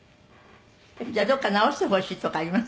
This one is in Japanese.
「じゃあどこか直してほしいとこあります？」